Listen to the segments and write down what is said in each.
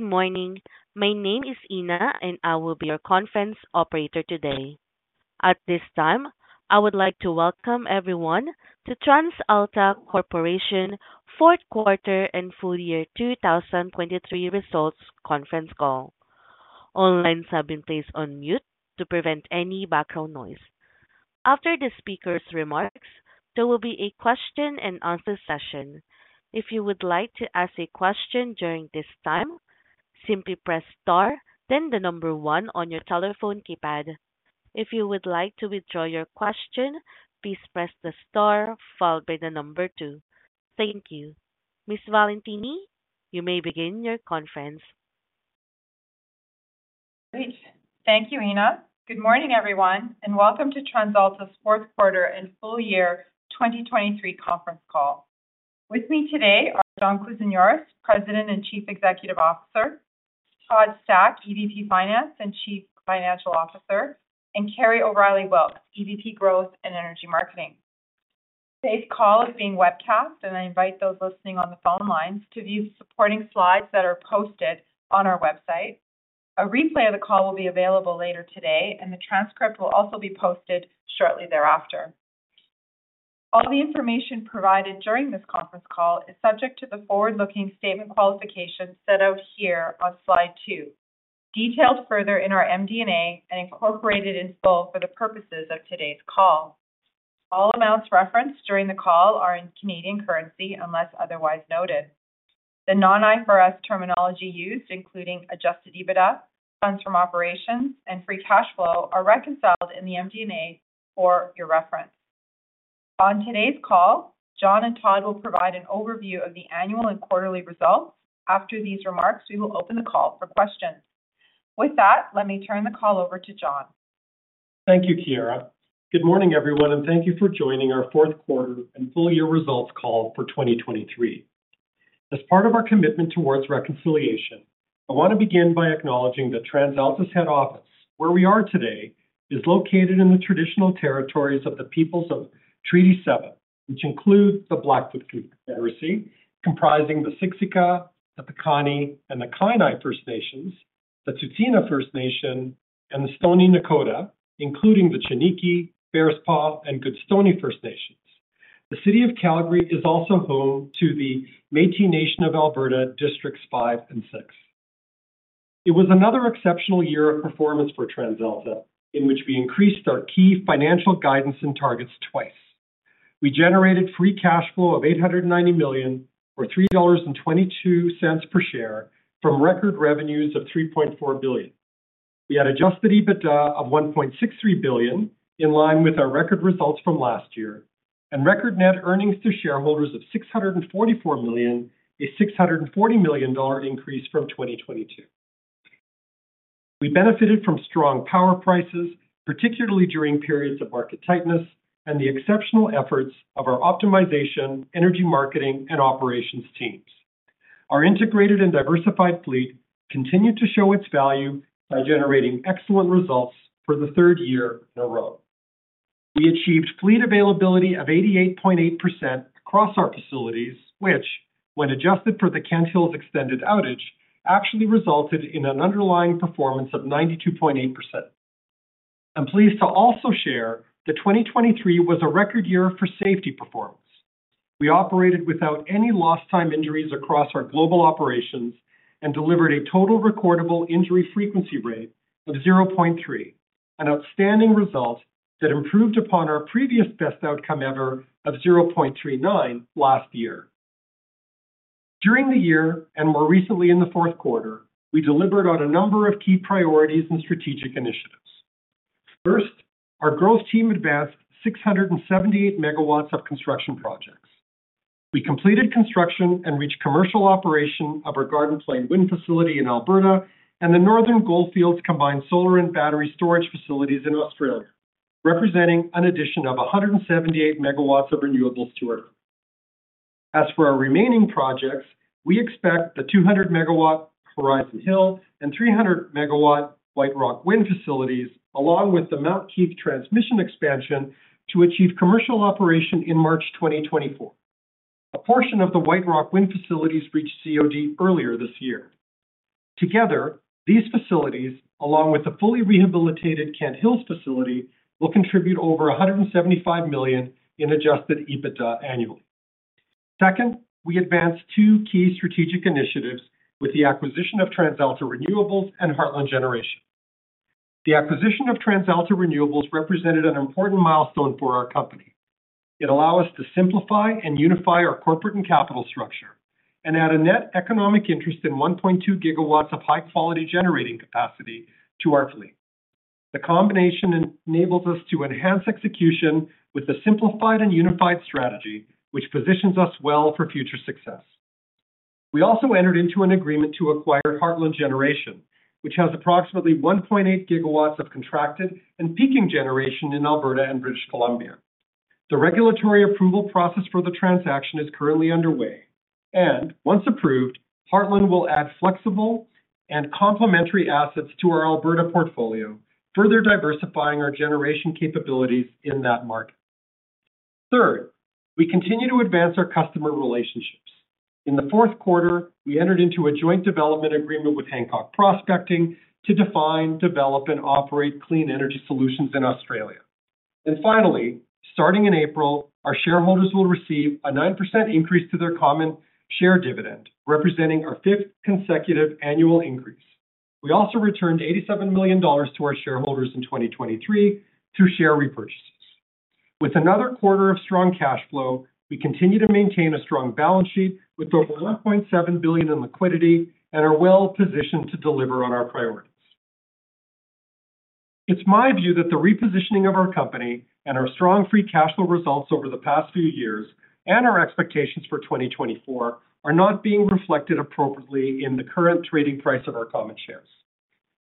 Good morning. My name is Ina, and I will be your conference operator today. At this time, I would like to welcome everyone to TransAlta Corporation Fourth Quarter and Full Year 2023 Results Conference Call. Online participants are placed on mute to prevent any background noise. After the speaker's remarks, there will be a question-and-answer session. If you would like to ask a question during this time, simply press star then 1 on your telephone keypad. If you would like to withdraw your question, please press star followed by two. Thank you. Ms. Valentini, you may begin your conference. Great. Thank you, Ina. Good morning, everyone, and welcome to TransAlta's Fourth Quarter and Full Year 2023 Conference call. With me today are John Kousinioris, President and Chief Executive Officer, Todd Stack, EVP Finance and Chief Financial Officer, and Kerry O'Reilly Wilks, EVP Growth and Energy Marketing. Today's call is being webcast, and I invite those listening on the phone lines to view the supporting slides that are posted on our website. A replay of the call will be available later today, and the transcript will also be posted shortly thereafter. All the information provided during this conference call is subject to the forward-looking statement qualification set out here on slide two, detailed further in our MD&A and incorporated in full for the purposes of today's call. All amounts referenced during the call are in Canadian currency unless otherwise noted. The non-IFRS terminology used, including Adjusted EBITDA, Funds from Operations, and Free Cash Flow, are reconciled in the MD&A for your reference. On today's call, John and Todd will provide an overview of the annual and quarterly results. After these remarks, we will open the call for questions. With that, let me turn the call over to John. Thank you, Chiara. Good morning, everyone, and thank you for joining our Fourth Quarter and Full Year Results call for 2023. As part of our commitment toward reconciliation, I want to begin by acknowledging that TransAlta's head office, where we are today, is located in the traditional territories of the Peoples of Treaty 7, which include the Blackfoot Confederacy, comprising the Siksika, the Piikani, and the Kainai First Nations, the Tsuut'ina First Nation, and the Stoney Nakoda, including the Chiniki, Bearspaw, and Goodstoney First Nations. The City of Calgary is also home to the Métis Nation of Alberta, Districts 5 and 6. It was another exceptional year of performance for TransAlta, in which we increased our key financial guidance and targets twice. We generated free cash flow of 890 million, or 3.22 dollars per share, from record revenues of 3.4 billion. We had Adjusted EBITDA of 1.63 billion, in line with our record results from last year, and record net earnings to shareholders of 644 million, a 640 million dollar increase from 2022. We benefited from strong power prices, particularly during periods of market tightness, and the exceptional efforts of our optimization, energy marketing, and operations teams. Our integrated and diversified fleet continued to show its value by generating excellent results for the third year in a row. We achieved fleet availability of 88.8% across our facilities, which, when adjusted for the Kent Hills extended outage, actually resulted in an underlying performance of 92.8%. I'm pleased to also share that 2023 was a record year for safety performance. We operated without any lost-time injuries across our global operations and delivered a total recordable injury frequency rate of 0.3, an outstanding result that improved upon our previous best outcome ever of 0.39 last year. During the year, and more recently in the fourth quarter, we delivered on a number of key priorities and strategic initiatives. First, our growth team advanced 678 MW of construction projects. We completed construction and reached commercial operation of our Garden Plain wind facility in Alberta and the Northern Goldfields combined solar and battery storage facilities in Australia, representing an addition of 178 MW of renewables to our fleet. As for our remaining projects, we expect the 200 MW Horizon Hill and 300 MW White Rock wind facilities, along with the Mount Keith transmission expansion, to achieve commercial operation in March 2024. A portion of the White Rock wind facilities reached COD earlier this year. Together, these facilities, along with the fully rehabilitated Kent Hills facility, will contribute over 175 million in Adjusted EBITDA annually. Second, we advanced two key strategic initiatives with the acquisition of TransAlta Renewables and Heartland Generation. The acquisition of TransAlta Renewables represented an important milestone for our company. It allowed us to simplify and unify our corporate and capital structure and add a net economic interest in 1.2 GW of high-quality generating capacity to our fleet. The combination enables us to enhance execution with a simplified and unified strategy, which positions us well for future success. We also entered into an agreement to acquire Heartland Generation, which has approximately 1.8 GW of contracted and peaking generation in Alberta and British Columbia. The regulatory approval process for the transaction is currently underway, and once approved, Heartland will add flexible and complementary assets to our Alberta portfolio, further diversifying our generation capabilities in that market. Third, we continue to advance our customer relationships. In the fourth quarter, we entered into a joint development agreement with Hancock Prospecting to define, develop, and operate clean energy solutions in Australia. Finally, starting in April, our shareholders will receive a 9% increase to their common share dividend, representing our fifth consecutive annual increase. We also returned 87 million dollars to our shareholders in 2023 through share repurchases. With another quarter of strong cash flow, we continue to maintain a strong balance sheet with over 1.7 billion in liquidity and are well positioned to deliver on our priorities. It's my view that the repositioning of our company and our strong free cash flow results over the past few years and our expectations for 2024 are not being reflected appropriately in the current trading price of our common shares.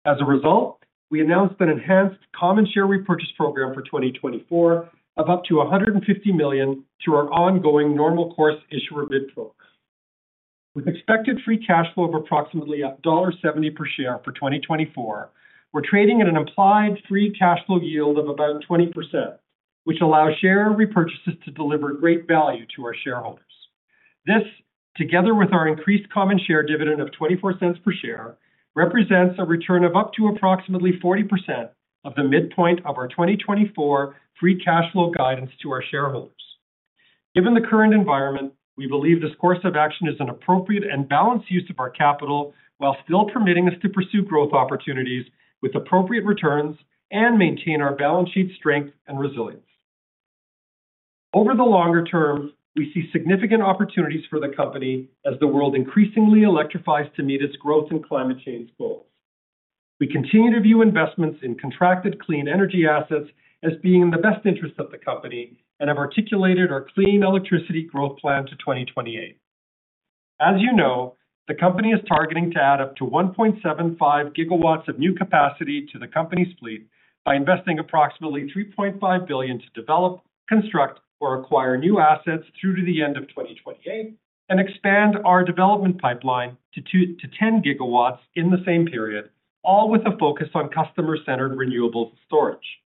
As a result, we announced an enhanced common share repurchase program for 2024 of up to 150 million to our ongoing normal course issuer bid program. With expected free cash flow of approximately dollar 1.70 per share for 2024, we're trading at an implied free cash flow yield of about 20%, which allows share repurchases to deliver great value to our shareholders. This, together with our increased common share dividend of 0.24 per share, represents a return of up to approximately 40% of the midpoint of our 2024 free cash flow guidance to our shareholders. Given the current environment, we believe this course of action is an appropriate and balanced use of our capital while still permitting us to pursue growth opportunities with appropriate returns and maintain our balance sheet strength and resilience. Over the longer term, we see significant opportunities for the company as the world increasingly electrifies to meet its growth and climate change goals. We continue to view investments in contracted clean energy assets as being in the best interest of the company and have articulated our Clean Electricity Growth Plan to 2028. As you know, the company is targeting to add up to 1.75 GW of new capacity to the company's fleet by investing approximately 3.5 billion to develop, construct, or acquire new assets through to the end of 2028, and expand our development pipeline to 10 GW in the same period, all with a focus on customer-centered renewables storage.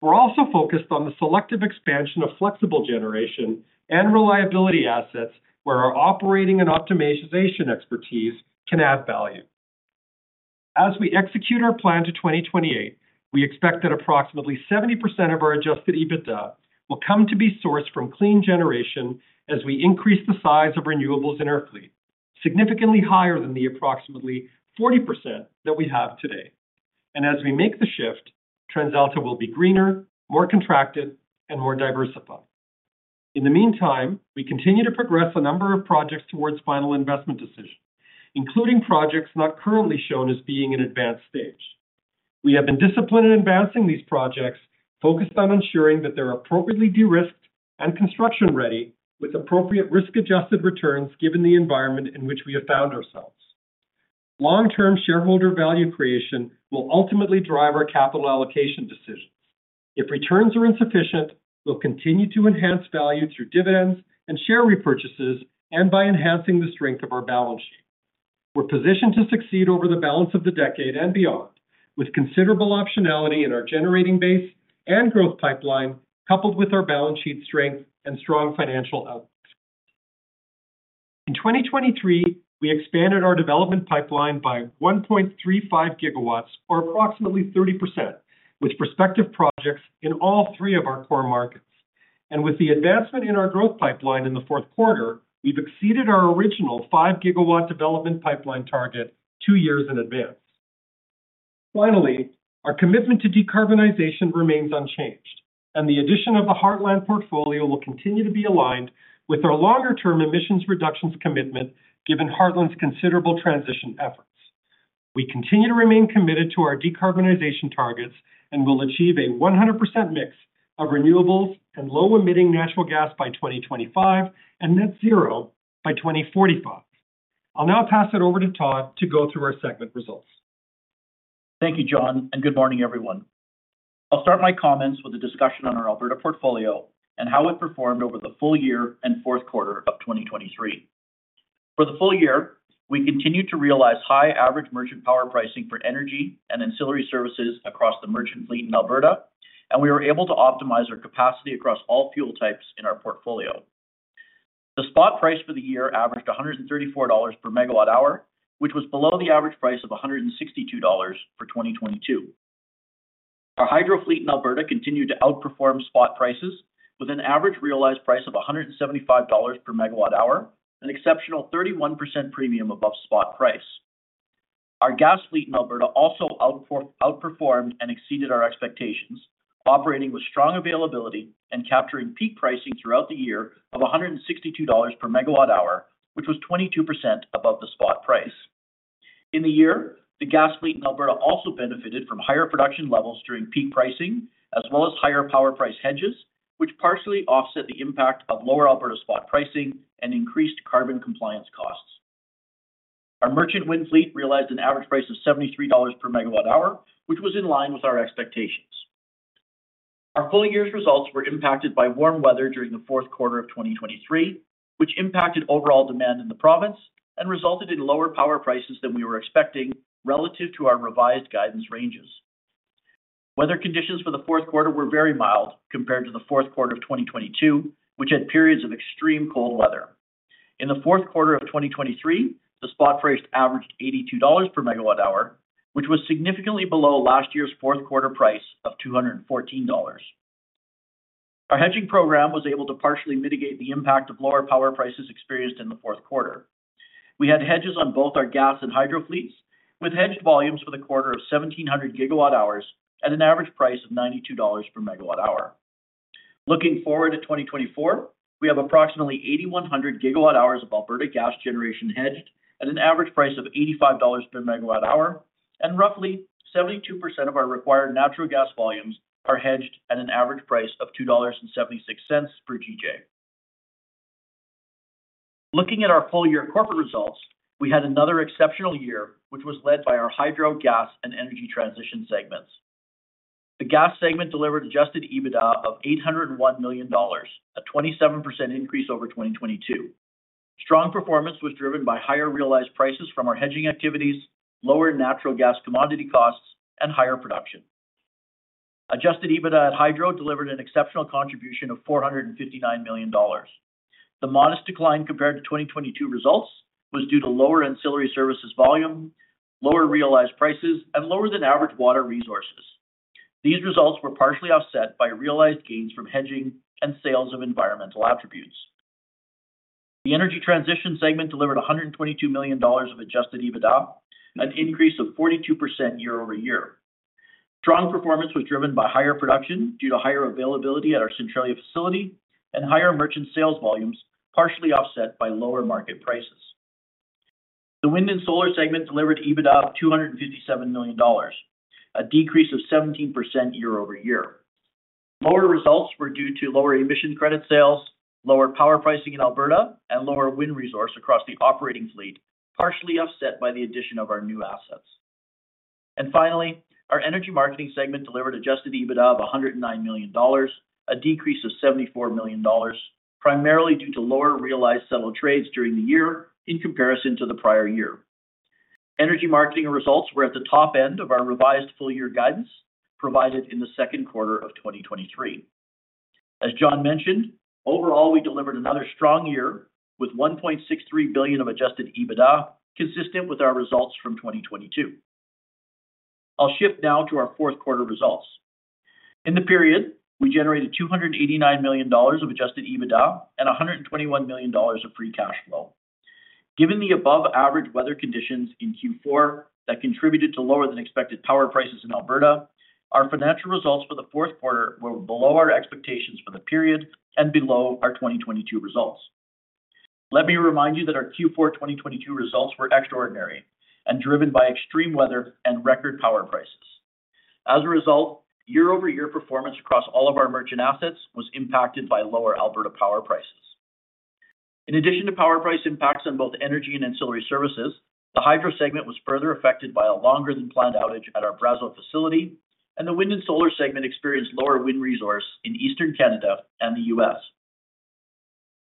We're also focused on the selective expansion of flexible generation and reliability assets where our operating and optimization expertise can add value. As we execute our plan to 2028, we expect that approximately 70% of our Adjusted EBITDA will come to be sourced from clean generation as we increase the size of renewables in our fleet, significantly higher than the approximately 40% that we have today. And as we make the shift, TransAlta will be greener, more contracted, and more diversified. In the meantime, we continue to progress a number of projects towards final investment decision, including projects not currently shown as being in advanced stage. We have been disciplined in advancing these projects, focused on ensuring that they're appropriately de-risked and construction-ready, with appropriate risk-adjusted returns given the environment in which we have found ourselves. Long-term shareholder value creation will ultimately drive our capital allocation decisions. If returns are insufficient, we'll continue to enhance value through dividends and share repurchases and by enhancing the strength of our balance sheet. We're positioned to succeed over the balance of the decade and beyond, with considerable optionality in our generating base and growth pipeline, coupled with our balance sheet strength and strong financial outlooks. In 2023, we expanded our development pipeline by 1.35 GW, or approximately 30%, with prospective projects in all three of our core markets. With the advancement in our growth pipeline in the fourth quarter, we've exceeded our original 5-GW development pipeline target two years in advance. Finally, our commitment to decarbonization remains unchanged, and the addition of the Heartland portfolio will continue to be aligned with our longer-term emissions reductions commitment given Heartland's considerable transition efforts. We continue to remain committed to our decarbonization targets and will achieve a 100% mix of renewables and low-emitting natural gas by 2025 and net zero by 2045. I'll now pass it over to Todd to go through our segment results. Thank you, John, and good morning, everyone. I'll start my comments with a discussion on our Alberta portfolio and how it performed over the full year and fourth quarter of 2023. For the full year, we continued to realize high average merchant power pricing for energy and ancillary services across the merchant fleet in Alberta, and we were able to optimize our capacity across all fuel types in our portfolio. The spot price for the year averaged 134 dollars/MWh, which was below the average price of 162 dollars for 2022. Our hydro fleet in Alberta continued to outperform spot prices with an average realized price of 175 dollars/MWh, an exceptional 31% premium above spot price. Our gas fleet in Alberta also outperformed and exceeded our expectations, operating with strong availability and capturing peak pricing throughout the year of 162 dollars/MWh, which was 22% above the spot price. In the year, the gas fleet in Alberta also benefited from higher production levels during peak pricing, as well as higher power price hedges, which partially offset the impact of lower Alberta spot pricing and increased carbon compliance costs. Our merchant wind fleet realized an average price of 73 dollars/MWh, which was in line with our expectations. Our full year's results were impacted by warm weather during the fourth quarter of 2023, which impacted overall demand in the province and resulted in lower power prices than we were expecting relative to our revised guidance ranges. Weather conditions for the fourth quarter were very mild compared to the fourth quarter of 2022, which had periods of extreme cold weather. In the fourth quarter of 2023, the spot price averaged 82 dollars/MWh, which was significantly below last year's fourth quarter price of 214 dollars. Our hedging program was able to partially mitigate the impact of lower power prices experienced in the fourth quarter. We had hedges on both our gas and hydro fleets, with hedged volumes for the quarter of 1,700 GWh at an average price of 92 dollars /MWh. Looking forward to 2024, we have approximately 8,100 GWh of Alberta gas generation hedged at an average price of 85 dollars/MWh, and roughly 72% of our required natural gas volumes are hedged at an average price of 2.76 dollars per GJ. Looking at our full year corporate results, we had another exceptional year, which was led by our hydro, gas, and energy transition segments. The gas segment delivered Adjusted EBITDA of 801 million dollars, a 27% increase over 2022. Strong performance was driven by higher realized prices from our hedging activities, lower natural gas commodity costs, and higher production. Adjusted EBITDA at hydro delivered an exceptional contribution of 459 million dollars. The modest decline compared to 2022 results was due to lower ancillary services volume, lower realized prices, and lower-than-average water resources. These results were partially offset by realized gains from hedging and sales of environmental attributes. The energy transition segment delivered 122 million dollars of adjusted EBITDA, an increase of 42% year-over-year. Strong performance was driven by higher production due to higher availability at our Centralia facility and higher merchant sales volumes, partially offset by lower market prices. The wind and solar segment delivered EBITDA of 257 million dollars, a decrease of 17% year-over-year. Lower results were due to lower emission credit sales, lower power pricing in Alberta, and lower wind resource across the operating fleet, partially offset by the addition of our new assets. Finally, our energy marketing segment delivered Adjusted EBITDA of 109 million dollars, a decrease of 74 million dollars, primarily due to lower realized settled trades during the year in comparison to the prior year. Energy marketing results were at the top end of our revised full year guidance provided in the second quarter of 2023. As John mentioned, overall we delivered another strong year with 1.63 billion of Adjusted EBITDA, consistent with our results from 2022. I'll shift now to our fourth quarter results. In the period, we generated 289 million dollars of Adjusted EBITDA and 121 million dollars of Free Cash Flow. Given the above-average weather conditions in Q4 that contributed to lower-than-expected power prices in Alberta, our financial results for the fourth quarter were below our expectations for the period and below our 2022 results. Let me remind you that our Q4 2022 results were extraordinary and driven by extreme weather and record power prices. As a result, year-over-year performance across all of our merchant assets was impacted by lower Alberta power prices. In addition to power price impacts on both energy and ancillary services, the hydro segment was further affected by a longer-than-planned outage at our Brazeau facility, and the wind and solar segment experienced lower wind resource in Eastern Canada and the U.S.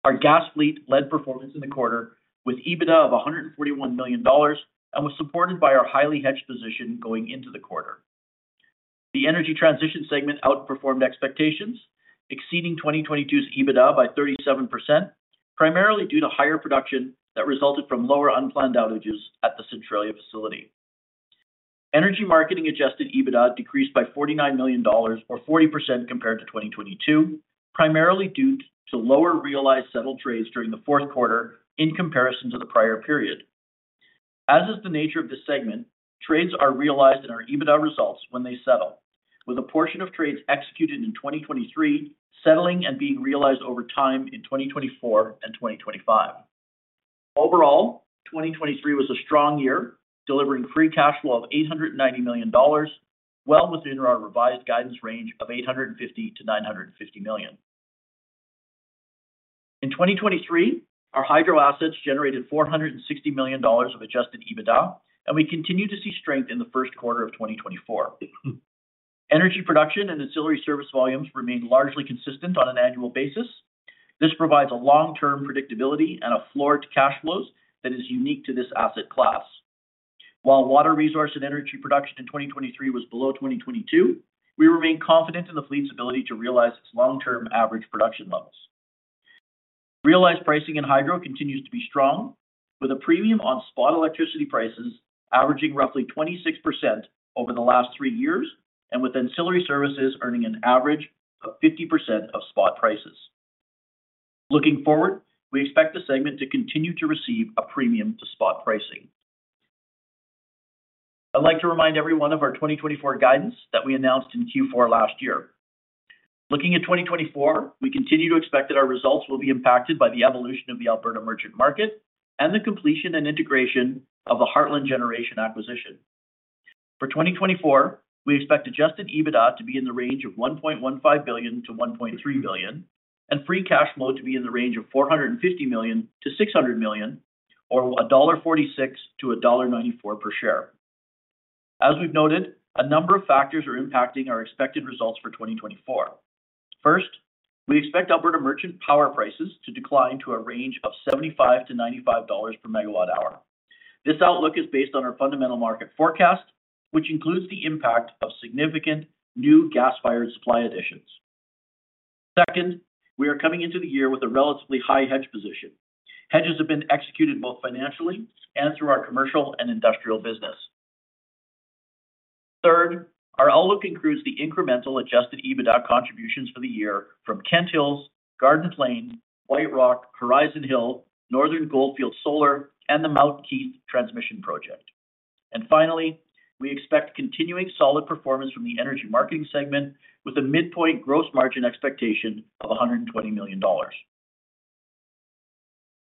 Our gas fleet led performance in the quarter with EBITDA of 141 million dollars and was supported by our highly hedged position going into the quarter. The energy transition segment outperformed expectations, exceeding 2022's EBITDA by 37%, primarily due to higher production that resulted from lower unplanned outages at the Centralia facility. Energy marketing Adjusted EBITDA decreased by 49 million dollars, or 40%, compared to 2022, primarily due to lower realized settled trades during the fourth quarter in comparison to the prior period. As is the nature of this segment, trades are realized in our EBITDA results when they settle, with a portion of trades executed in 2023 settling and being realized over time in 2024 and 2025. Overall, 2023 was a strong year, delivering free cash flow of 890 million dollars, well within our revised guidance range of 850 million-950 million. In 2023, our hydro assets generated 460 million dollars of Adjusted EBITDA, and we continue to see strength in the 1st quarter of 2024. Energy production and ancillary service volumes remain largely consistent on an annual basis. This provides a long-term predictability and a floor to cash flows that is unique to this asset class. While water resource and energy production in 2023 was below 2022, we remain confident in the fleet's ability to realize its long-term average production levels. Realized pricing in hydro continues to be strong, with a premium on spot electricity prices averaging roughly 26% over the last three years and with ancillary services earning an average of 50% of spot prices. Looking forward, we expect the segment to continue to receive a premium to spot pricing. I'd like to remind everyone of our 2024 guidance that we announced in Q4 last year. Looking at 2024, we continue to expect that our results will be impacted by the evolution of the Alberta merchant market and the completion and integration of the Heartland Generation acquisition. For 2024, we expect Adjusted EBITDA to be in the range of 1.15 billion-1.3 billion, and Free Cash Flow to be in the range of 450 million-600 million, or 1.46-1.94 dollar per share. As we've noted, a number of factors are impacting our expected results for 2024. First, we expect Alberta merchant power prices to decline to a range of 75-95 dollars/MWh. This outlook is based on our fundamental market forecast, which includes the impact of significant new gas-fired supply additions. Second, we are coming into the year with a relatively high hedge position. Hedges have been executed both financially and through our commercial and industrial business. Third, our outlook includes the incremental Adjusted EBITDA contributions for the year from Kent Hills, Garden Plain, White Rock, Horizon Hill, Northern Goldfields Solar, and the Mount Keith Transmission Project. Finally, we expect continuing solid performance from the energy marketing segment, with a midpoint gross margin expectation of 120 million dollars.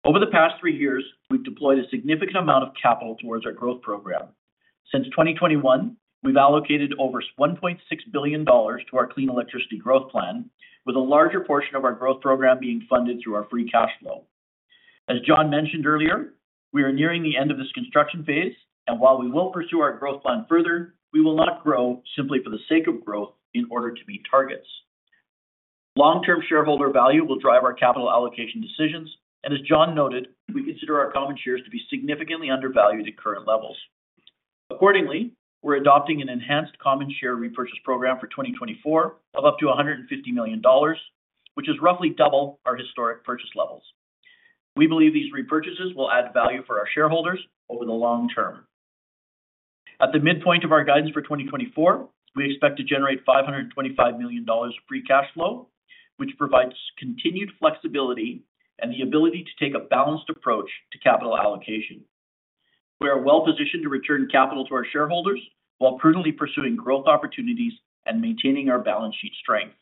Over the past three years, we've deployed a significant amount of capital towards our growth program. Since 2021, we've allocated over 1.6 billion dollars to our clean electricity growth plan, with a larger portion of our growth program being funded through our free cash flow. As John mentioned earlier, we are nearing the end of this construction phase, and while we will pursue our growth plan further, we will not grow simply for the sake of growth in order to meet targets. Long-term shareholder value will drive our capital allocation decisions, and as John noted, we consider our common shares to be significantly undervalued at current levels. Accordingly, we're adopting an enhanced common share repurchase program for 2024 of up to 150 million dollars, which is roughly double our historic purchase levels. We believe these repurchases will add value for our shareholders over the long term. At the midpoint of our guidance for 2024, we expect to generate 525 million dollars of free cash flow, which provides continued flexibility and the ability to take a balanced approach to capital allocation. We are well positioned to return capital to our shareholders while prudently pursuing growth opportunities and maintaining our balance sheet strength.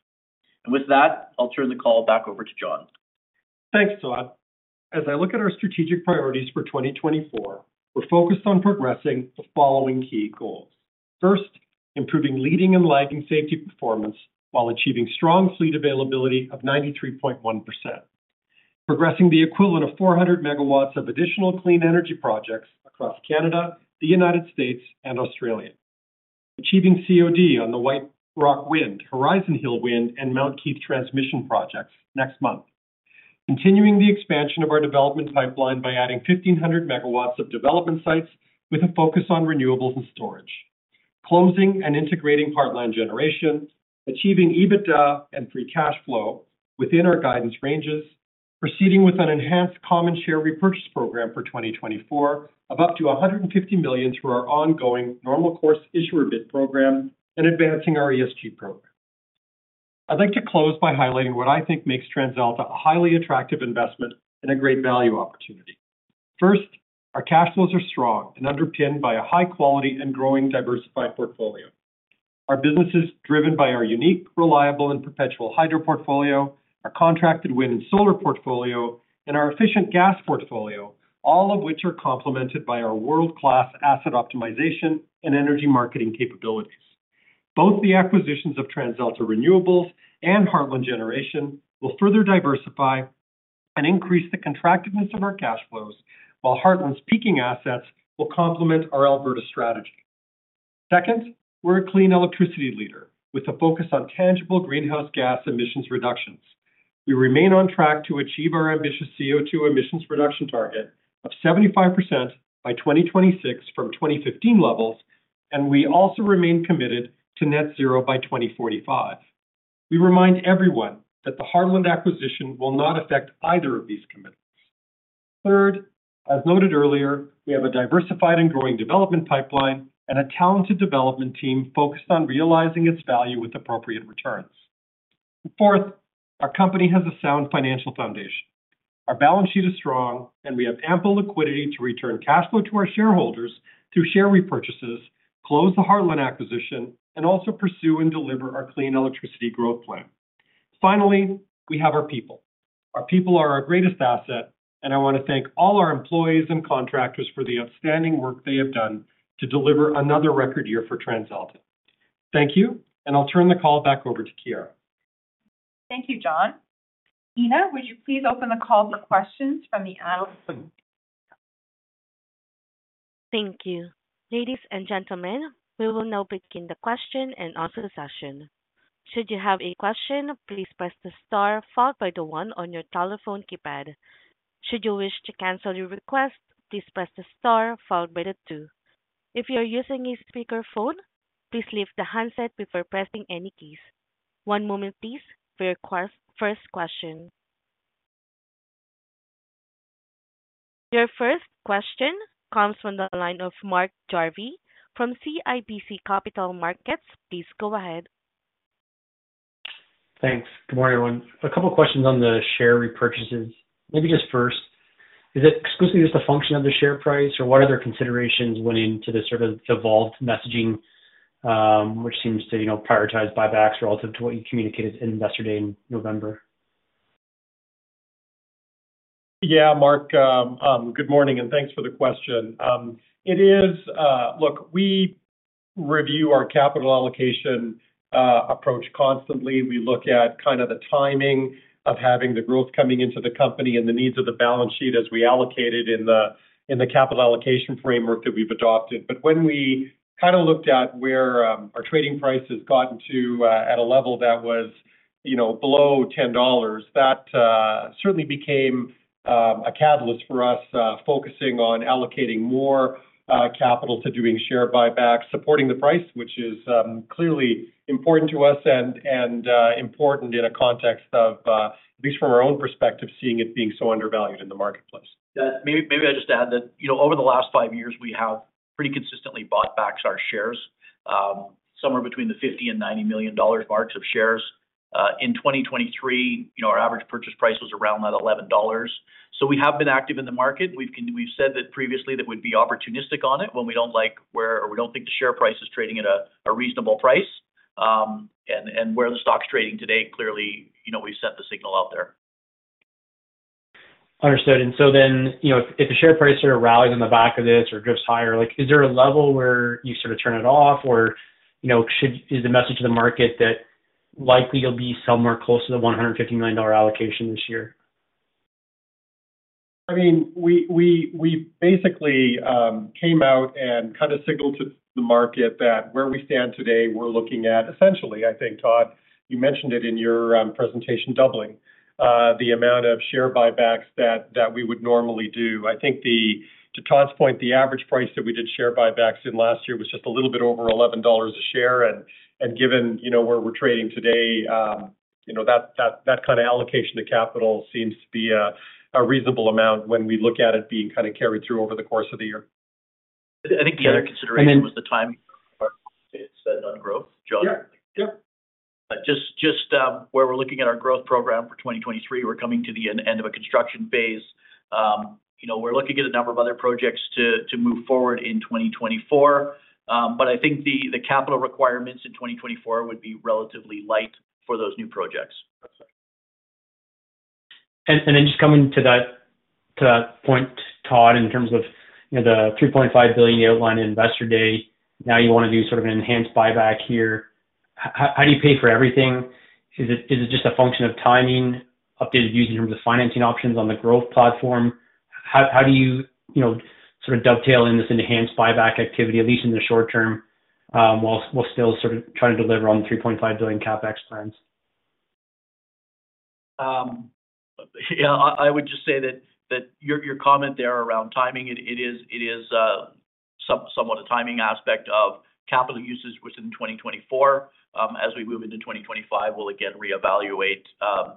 With that, I'll turn the call back over to John. Thanks, Todd. As I look at our strategic priorities for 2024, we're focused on progressing the following key goals. First, improving leading and lagging safety performance while achieving strong fleet availability of 93.1%. Progressing the equivalent of 400 MW of additional clean energy projects across Canada, the United States, and Australia. Achieving COD on the White Rock Wind, Horizon Hill Wind, and Mount Keith Transmission Projects next month. Continuing the expansion of our development pipeline by adding 1,500 MW of development sites with a focus on renewables and storage. Closing and integrating Heartland Generation. Achieving EBITDA and free cash flow within our guidance ranges. Proceeding with an enhanced common share repurchase program for 2024 of up to 150 million through our ongoing normal course issuer bid program and advancing our ESG program. I'd like to close by highlighting what I think makes TransAlta a highly attractive investment and a great value opportunity. First, our cash flows are strong and underpinned by a high-quality and growing diversified portfolio. Our business is driven by our unique, reliable, and perpetual hydro portfolio, our contracted wind and solar portfolio, and our efficient gas portfolio, all of which are complemented by our world-class asset optimization and energy marketing capabilities. Both the acquisitions of TransAlta Renewables and Heartland Generation will further diversify and increase the contractedness of our cash flows, while Heartland's peaking assets will complement our Alberta strategy. Second, we're a clean electricity leader with a focus on tangible greenhouse gas emissions reductions. We remain on track to achieve our ambitious CO2 emissions reduction target of 75% by 2026 from 2015 levels, and we also remain committed to Net Zero by 2045. We remind everyone that the Heartland acquisition will not affect either of these commitments. Third, as noted earlier, we have a diversified and growing development pipeline and a talented development team focused on realizing its value with appropriate returns. Fourth, our company has a sound financial foundation. Our balance sheet is strong, and we have ample liquidity to return cash flow to our shareholders through share repurchases, close the Heartland acquisition, and also pursue and deliver our clean electricity growth plan. Finally, we have our people. Our people are our greatest asset, and I want to thank all our employees and contractors for the outstanding work they have done to deliver another record year for TransAlta. Thank you, and I'll turn the call back over to Chiara. Thank you, John. Ina, would you please open the call for questions from the audience? Thank you. Ladies and gentlemen, we will now begin the question and answer session. Should you have a question, please press the star followed by the 1 on your telephone keypad. Should you wish to cancel your request, please press the star followed by the two. If you are using a speakerphone, please leave the handset before pressing any keys. One moment, please, for your first question. Your first question comes from the line of Mark Jarvi from CIBC Capital Markets. Please go ahead. Thanks. Good morning, everyone. A couple of questions on the share repurchases. Maybe just first, is it exclusively just a function of the share price, or what other considerations went into the sort of evolved messaging, which seems to prioritize buybacks relative to what you communicated in yesterday in November? Yeah, Mark. Good morning, and thanks for the question. Look, we review our capital allocation approach constantly. We look at kind of the timing of having the growth coming into the company and the needs of the balance sheet as we allocate it in the capital allocation framework that we've adopted. But when we kind of looked at where our trading price has gotten to at a level that was below 10 dollars, that certainly became a catalyst for us focusing on allocating more capital to doing share buybacks, supporting the price, which is clearly important to us and important in a context of, at least from our own perspective, seeing it being so undervalued in the marketplace. Maybe I just add that over the last five years, we have pretty consistently bought back our shares, somewhere between 50 million and 90 million dollars marks of shares. In 2023, our average purchase price was around that 11 dollars. So we have been active in the market. We've said previously that we'd be opportunistic on it when we don't like where or we don't think the share price is trading at a reasonable price. And where the stock's trading today, clearly, we've sent the signal out there. Understood. And so then if the share price sort of rallies on the back of this or drifts higher, is there a level where you sort of turn it off, or is the message to the market that likely you'll be somewhere close to the 150 million dollar allocation this year? I mean, we basically came out and kind of signaled to the market that where we stand today, we're looking at essentially, I think, Todd, you mentioned it in your presentation, doubling the amount of share buybacks that we would normally do. I think, to Todd's point, the average price that we did share buybacks in last year was just a little bit over 11 dollars a share. And given where we're trading today, that kind of allocation of capital seems to be a reasonable amount when we look at it being kind of carried through over the course of the year. I think the other consideration was the timing of our spend on growth, John. Yep. Just where we're looking at our growth program for 2023, we're coming to the end of a construction phase. We're looking at a number of other projects to move forward in 2024, but I think the capital requirements in 2024 would be relatively light for those new projects. Then just coming to that point, Todd, in terms of the 3.5 billion you outlined in yesterday, now you want to do sort of an enhanced buyback here. How do you pay for everything? Is it just a function of timing updated views in terms of financing options on the growth platform? How do you sort of dovetail in this enhanced buyback activity, at least in the short term, while still sort of trying to deliver on the 3.5 billion CapEx plans? Yeah, I would just say that your comment there around timing, it is somewhat a timing aspect of capital usage within 2024. As we move into 2025, we'll again reevaluate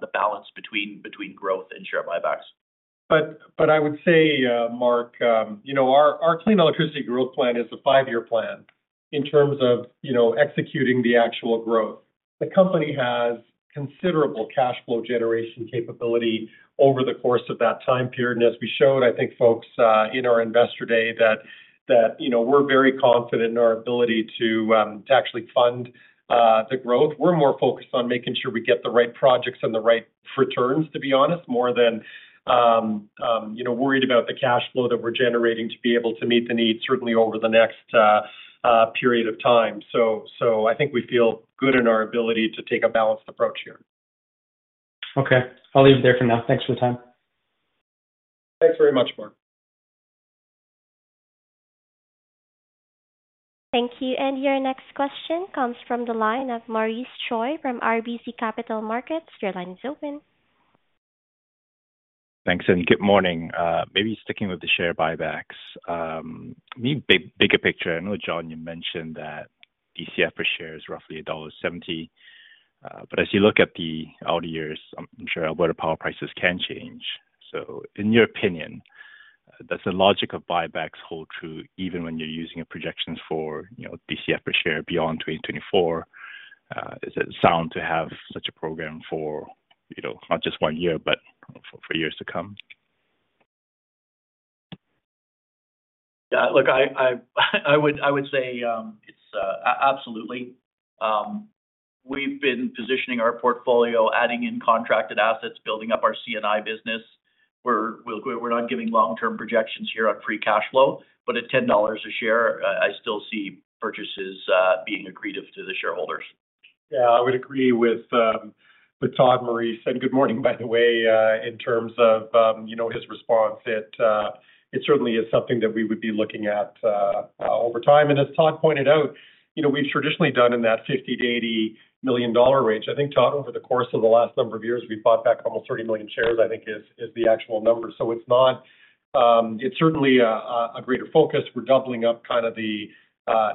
the balance between growth and share buybacks. But I would say, Mark, our clean electricity growth plan is a five-year plan in terms of executing the actual growth. The company has considerable cash flow generation capability over the course of that time period. And as we showed, I think, folks in our investor day that we're very confident in our ability to actually fund the growth. We're more focused on making sure we get the right projects and the right returns, to be honest, more than worried about the cash flow that we're generating to be able to meet the need, certainly over the next period of time. So I think we feel good in our ability to take a balanced approach here. Okay. I'll leave it there for now. Thanks for the time. Thanks very much, Mark. Thank you. And your next question comes from the line of Maurice Choy from RBC Capital Markets. Your line is open. Thanks, and good morning. Maybe sticking with the share buybacks. Maybe bigger picture. I know, John, you mentioned that DCF per share is roughly dollar 1.70. But as you look at the out years, I'm sure Alberta power prices can change. So in your opinion, does the logic of buybacks hold true even when you're using projections for DCF per share beyond 2024? Is it sound to have such a program for not just one year, but for years to come? Yeah, look, I would say absolutely. We've been positioning our portfolio, adding in contracted assets, building up our CNI business. We're not giving long-term projections here on free cash flow, but at 10 dollars a share, I still see purchases being accretive to the shareholders. Yeah, I would agree with Todd, Maurice. Good morning, by the way. In terms of his response, it certainly is something that we would be looking at over time. As Todd pointed out, we've traditionally done in that 50 million-80 million dollar range. I think, Todd, over the course of the last number of years, we've bought back almost 30 million shares, I think, is the actual number. So it's certainly a greater focus. We're doubling up kind of the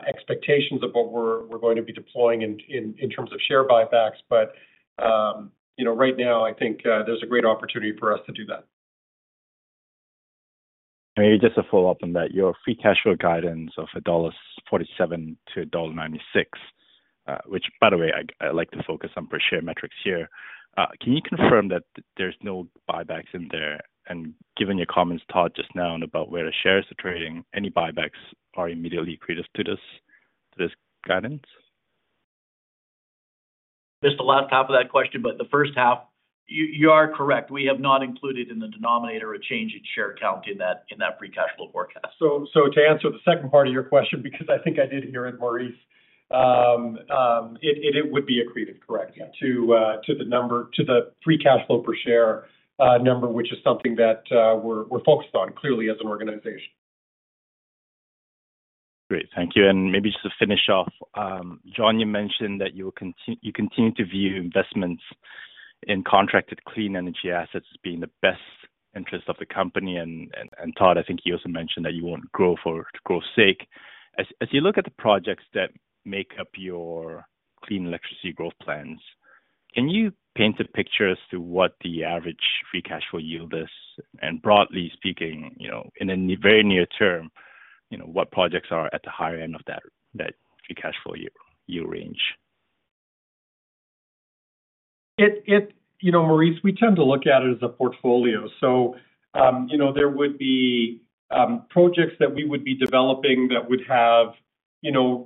expectations of what we're going to be deploying in terms of share buybacks. But right now, I think there's a great opportunity for us to do that. Maybe just a follow-up on that. Your free cash flow guidance of 1.47-1.96 dollar, which, by the way, I like to focus on per share metrics here. Can you confirm that there's no buybacks in there? And given your comments, Todd, just now about where the shares are trading, any buybacks are immediately accretive to this guidance? Just the last half of that question, but the first half, you are correct. We have not included in the denominator a change in share count in that Free Cash Flow forecast. So, to answer the second part of your question, because I think I did hear it, Maurice, it would be accretive, correct, to the number, to the free cash flow per share number, which is something that we're focused on, clearly, as an organization. Great. Thank you. And maybe just to finish off, John, you mentioned that you continue to view investments in contracted clean energy assets as being the best interest of the company. And Todd, I think you also mentioned that you want growth for growth's sake. As you look at the projects that make up your clean electricity growth plans, can you paint a picture as to what the average free cash flow yield is? And broadly speaking, in a very near term, what projects are at the higher end of that free cash flow yield range? Maurice, we tend to look at it as a portfolio. So there would be projects that we would be developing that would have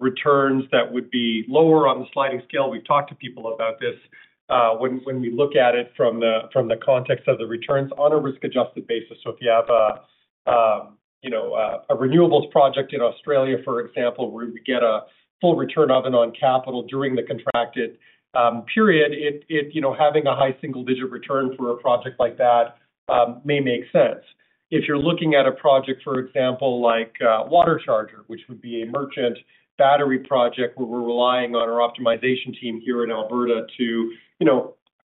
returns that would be lower on the sliding scale. We've talked to people about this when we look at it from the context of the returns on a risk-adjusted basis. So if you have a renewables project in Australia, for example, where we get a full return of it on capital during the contracted period, having a high single-digit return for a project like that may make sense. If you're looking at a project, for example, like WaterCharger, which would be a merchant battery project where we're relying on our optimization team here in Alberta to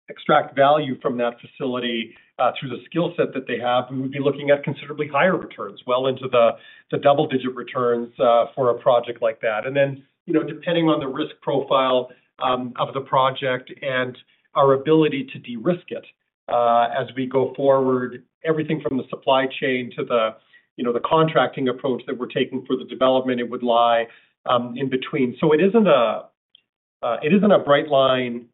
extract value from that facility through the skill set that they have, we would be looking at considerably higher returns, well into the double-digit returns for a project like that. Then depending on the risk profile of the project and our ability to de-risk it as we go forward, everything from the supply chain to the contracting approach that we're taking for the development, it would lie in between. So it isn't a bright line,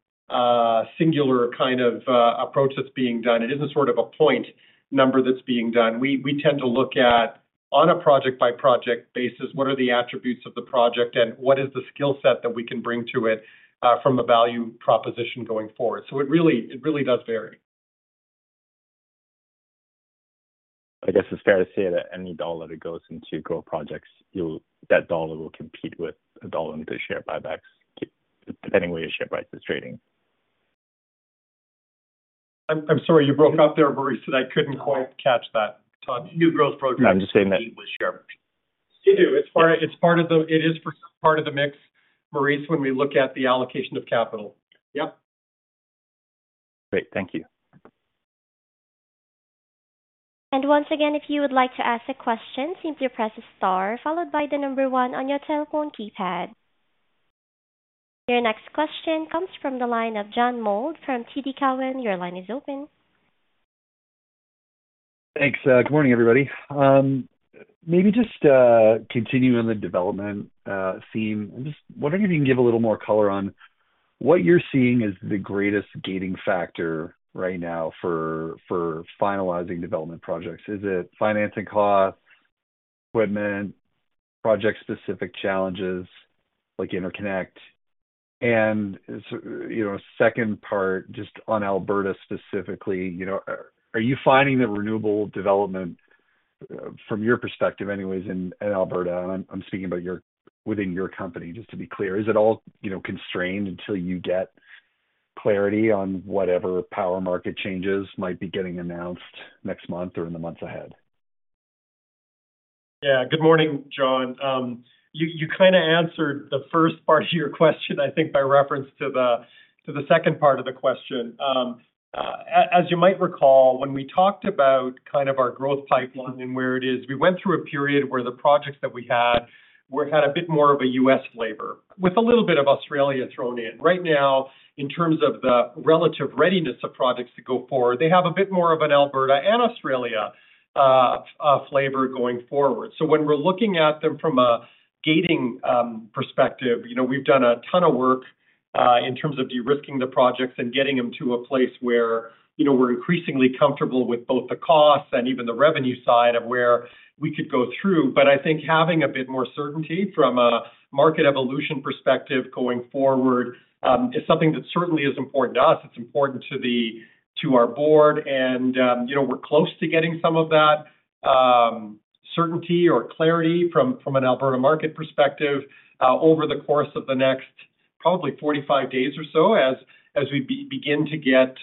singular kind of approach that's being done. It isn't sort of a point number that's being done. We tend to look at, on a project-by-project basis, what are the attributes of the project, and what is the skill set that we can bring to it from a value proposition going forward? So it really does vary. I guess it's fair to say that any dollar that goes into growth projects, that dollar will compete with a dollar into share buybacks, depending where your share price is trading. I'm sorry, you broke up there, Maurice, and I couldn't quite catch that, Todd. New growth projects. No, I'm just saying that. They do. It's part of the mix, Maurice, when we look at the allocation of capital. Yep. Great. Thank you. Once again, if you would like to ask a question, simply press a star followed by the number one on your telephone keypad. Your next question comes from the line of John Mould from TD Cowen. Your line is open. Thanks. Good morning, everybody. Maybe just continuing on the development theme, I'm just wondering if you can give a little more color on what you're seeing as the greatest gating factor right now for finalizing development projects. Is it financing costs, equipment, project-specific challenges like Interconnect? And second part, just on Alberta specifically, are you finding that renewable development, from your perspective anyways in Alberta, and I'm speaking about within your company, just to be clear, is it all constrained until you get clarity on whatever power market changes might be getting announced next month or in the months ahead? Yeah, good morning, John. You kind of answered the first part of your question, I think, by reference to the second part of the question. As you might recall, when we talked about kind of our growth pipeline and where it is, we went through a period where the projects that we had had a bit more of a U.S. flavor with a little bit of Australia thrown in. Right now, in terms of the relative readiness of projects to go forward, they have a bit more of an Alberta and Australia flavor going forward. So when we're looking at them from a gating perspective, we've done a ton of work in terms of de-risking the projects and getting them to a place where we're increasingly comfortable with both the costs and even the revenue side of where we could go through. But I think having a bit more certainty from a market evolution perspective going forward is something that certainly is important to us. It's important to our board. And we're close to getting some of that certainty or clarity from an Alberta market perspective over the course of the next probably 45 days or so as we begin to get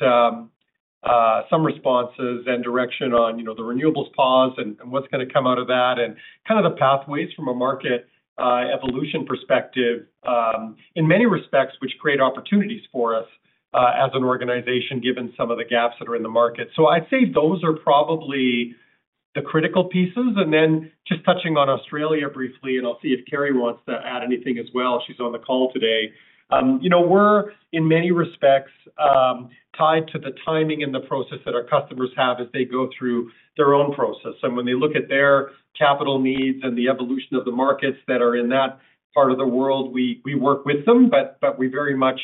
some responses and direction on the renewables pause and what's going to come out of that and kind of the pathways from a market evolution perspective in many respects, which create opportunities for us as an organization given some of the gaps that are in the market. So I'd say those are probably the critical pieces. And then just touching on Australia briefly, and I'll see if Kerry wants to add anything as well. She's on the call today. We're in many respects tied to the timing and the process that our customers have as they go through their own process. And when they look at their capital needs and the evolution of the markets that are in that part of the world, we work with them, but we very much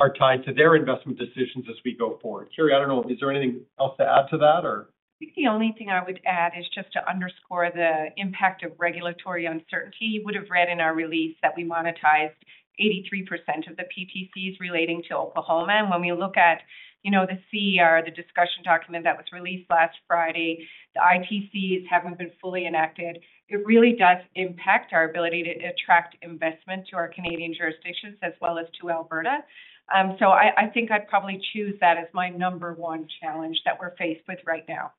are tied to their investment decisions as we go forward. Kerry, I don't know, is there anything else to add to that, or? I think the only thing I would add is just to underscore the impact of regulatory uncertainty. You would have read in our release that we monetized 83% of the PTCs relating to Oklahoma. And when we look at the CER, the discussion document that was released last Friday, the ITCs haven't been fully enacted; it really does impact our ability to attract investment to our Canadian jurisdictions as well as to Alberta. So I think I'd probably choose that as my number one challenge that we're faced with right now.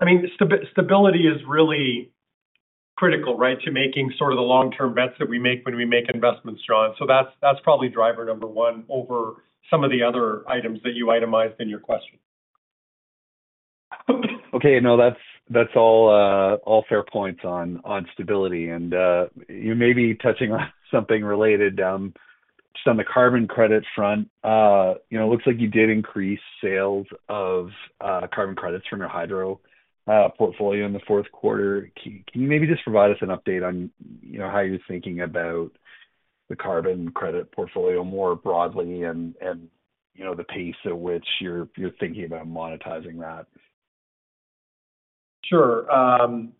I mean, stability is really critical, right, to making sort of the long-term bets that we make when we make investments, John. So that's probably driver number one over some of the other items that you itemized in your question. Okay. No, that's all fair points on stability. And maybe touching on something related, just on the carbon credit front, it looks like you did increase sales of carbon credits from your hydro portfolio in the fourth quarter. Can you maybe just provide us an update on how you're thinking about the carbon credit portfolio more broadly and the pace at which you're thinking about monetizing that? Sure. And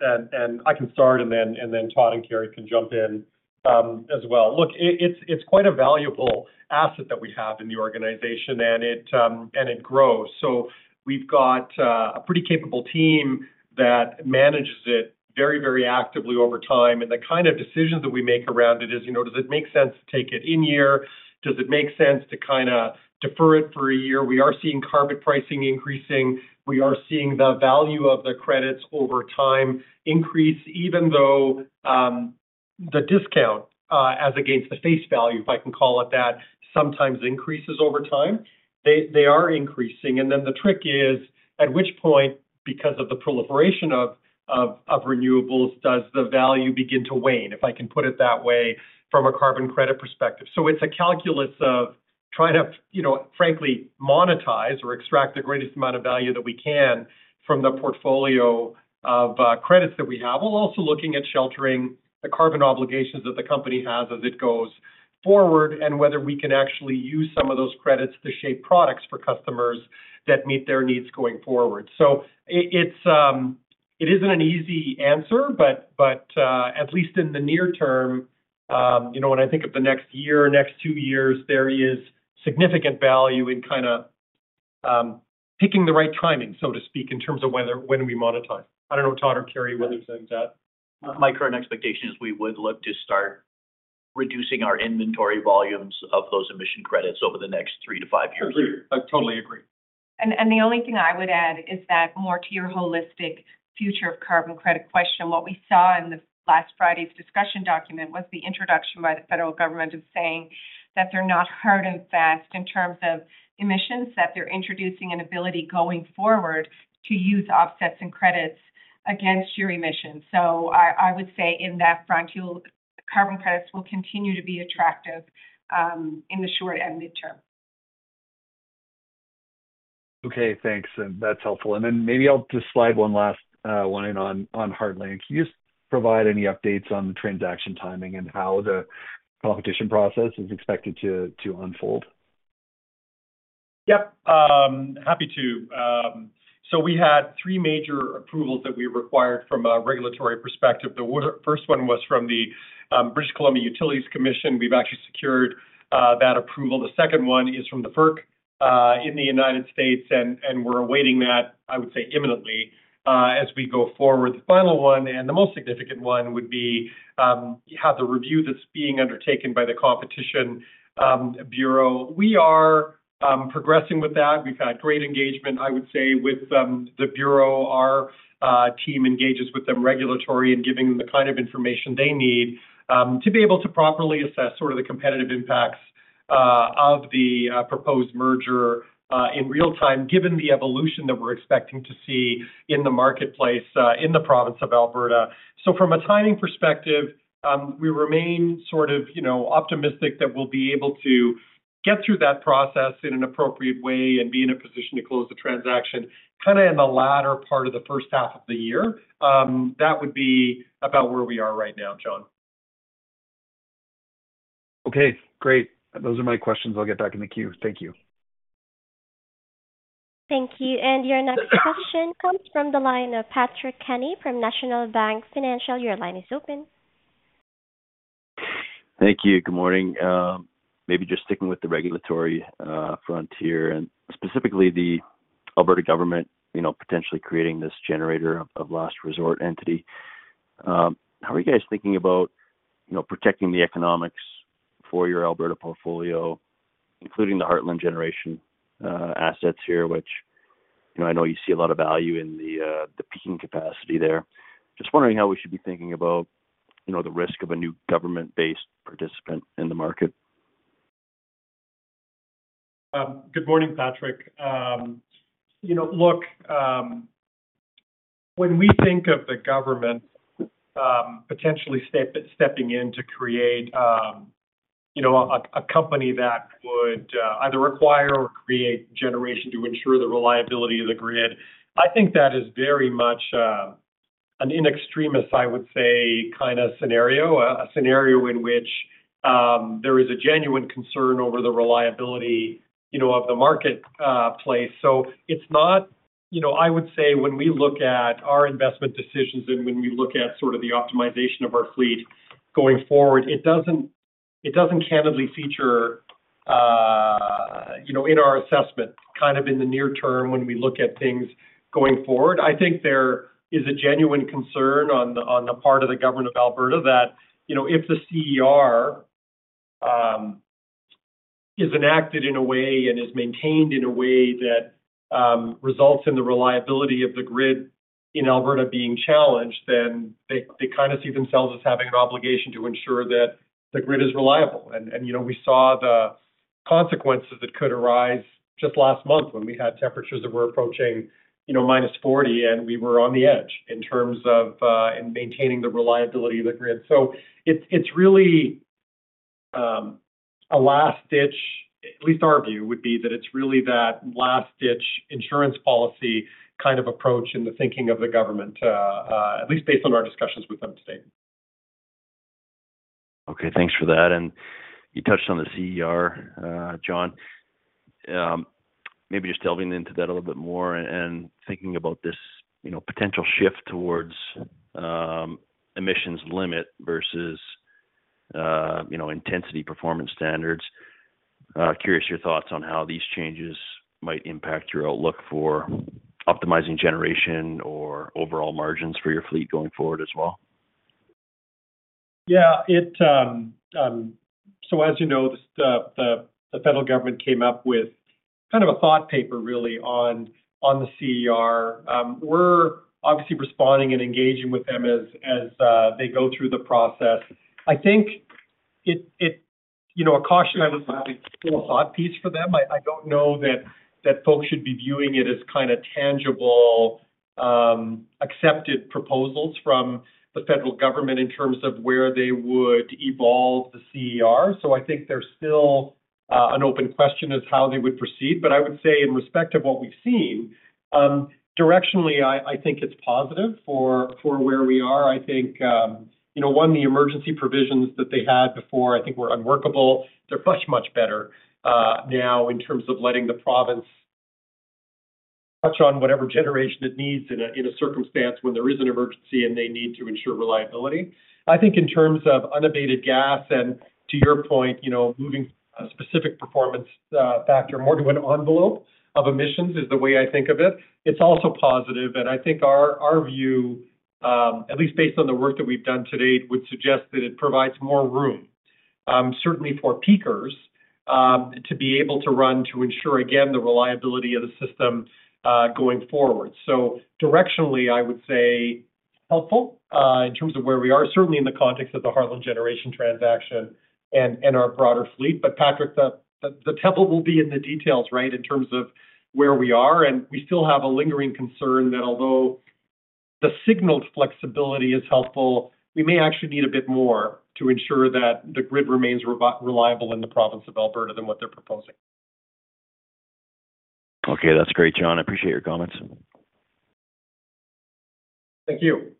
I can start, and then Todd and Kerry can jump in as well. Look, it's quite a valuable asset that we have in the organization, and it grows. So we've got a pretty capable team that manages it very, very actively over time. And the kind of decisions that we make around it is, does it make sense to take it in-year? Does it make sense to kind of defer it for a year? We are seeing carbon pricing increasing. We are seeing the value of the credits over time increase, even though the discount, as against the face value, if I can call it that, sometimes increases over time. They are increasing. And then the trick is, at which point, because of the proliferation of renewables, does the value begin to wane, if I can put it that way, from a carbon credit perspective? So it's a calculus of trying to, frankly, monetize or extract the greatest amount of value that we can from the portfolio of credits that we have, while also looking at sheltering the carbon obligations that the company has as it goes forward and whether we can actually use some of those credits to shape products for customers that meet their needs going forward. So it isn't an easy answer, but at least in the near term, when I think of the next year, next two years, there is significant value in kind of picking the right timing, so to speak, in terms of when we monetize. I don't know, Todd or Kerry, whether there's any doubt. My current expectation is we would look to start reducing our inventory volumes of those emission credits over the next three to five years. Totally agree. The only thing I would add is that more to your holistic future of carbon credit question, what we saw in the last Friday's discussion document was the introduction by the federal government of saying that they're not hard and fast in terms of emissions, that they're introducing an ability going forward to use offsets and credits against your emissions. So I would say in that front, carbon credits will continue to be attractive in the short and mid-term. Okay. Thanks. And that's helpful. And then maybe I'll just slide one last one in on Heartland. Can you just provide any updates on the transaction timing and how the competition process is expected to unfold? Yep. Happy to. So we had three major approvals that we required from a regulatory perspective. The first one was from the British Columbia Utilities Commission. We've actually secured that approval. The second one is from the FERC in the United States, and we're awaiting that, I would say, imminently as we go forward. The final one and the most significant one would be how the review that's being undertaken by the Competition Bureau. We are progressing with that. We've had great engagement, I would say, with the bureau. Our team engages with them regulatory and giving them the kind of information they need to be able to properly assess sort of the competitive impacts of the proposed merger in real time, given the evolution that we're expecting to see in the marketplace in the province of Alberta. From a timing perspective, we remain sort of optimistic that we'll be able to get through that process in an appropriate way and be in a position to close the transaction kind of in the latter part of the first half of the year. That would be about where we are right now, John. Okay. Great. Those are my questions. I'll get back in the queue. Thank you. Thank you. Your next question comes from the line of Patrick Kenny from National Bank Financial. Your line is open. Thank you. Good morning. Maybe just sticking with the regulatory frontier and specifically the Alberta government potentially creating this generator of last resort entity. How are you guys thinking about protecting the economics for your Alberta portfolio, including the Heartland Generation assets here, which I know you see a lot of value in the peaking capacity there? Just wondering how we should be thinking about the risk of a new government-based participant in the market? Good morning, Patrick. Look, when we think of the government potentially stepping in to create a company that would either acquire or create generation to ensure the reliability of the grid, I think that is very much an in extremis, I would say, kind of scenario, a scenario in which there is a genuine concern over the reliability of the marketplace. So it's not, I would say, when we look at our investment decisions and when we look at sort of the optimization of our fleet going forward, it doesn't candidly feature in our assessment kind of in the near term when we look at things going forward. I think there is a genuine concern on the part of the government of Alberta that if the CER is enacted in a way and is maintained in a way that results in the reliability of the grid in Alberta being challenged, then they kind of see themselves as having an obligation to ensure that the grid is reliable. And we saw the consequences that could arise just last month when we had temperatures that were approaching minus 40 degrees Celsius, and we were on the edge in terms of maintaining the reliability of the grid. So it's really a last-ditch, at least our view would be that it's really that last-ditch insurance policy kind of approach in the thinking of the government, at least based on our discussions with them today. Okay. Thanks for that. And you touched on the CER, John. Maybe just delving into that a little bit more and thinking about this potential shift towards emissions limit versus intensity performance standards. Curious your thoughts on how these changes might impact your outlook for optimizing generation or overall margins for your fleet going forward as well? Yeah. So as you know, the federal government came up with kind of a thought paper, really, on the CER. We're obviously responding and engaging with them as they go through the process. I think a caution I would like to pull a thought piece for them. I don't know that folks should be viewing it as kind of tangible, accepted proposals from the federal government in terms of where they would evolve the CER. So I think there's still an open question as how they would proceed. But I would say, in respect of what we've seen, directionally, I think it's positive for where we are. I think, one, the emergency provisions that they had before, I think were unworkable. They're much, much better now in terms of letting the province touch on whatever generation it needs in a circumstance when there is an emergency and they need to ensure reliability. I think in terms of unabated gas and, to your point, moving from a specific performance factor more to an envelope of emissions is the way I think of it. It's also positive. And I think our view, at least based on the work that we've done to date, would suggest that it provides more room, certainly for peakers, to be able to run to ensure, again, the reliability of the system going forward. So directionally, I would say helpful in terms of where we are, certainly in the context of the Heartland Generation transaction and our broader fleet. But, Patrick, the devil will be in the details, right, in terms of where we are. We still have a lingering concern that although the signaled flexibility is helpful, we may actually need a bit more to ensure that the grid remains reliable in the province of Alberta than what they're proposing. Okay. That's great, John. I appreciate your comments. Thank you.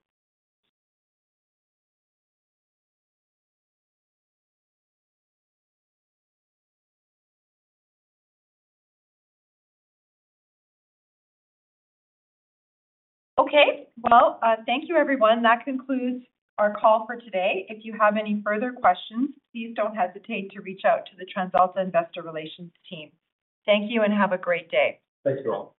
Okay. Well, thank you, everyone. That concludes our call for today. If you have any further questions, please don't hesitate to reach out to the TransAlta Investor Relations team. Thank you and have a great day. Thank you all.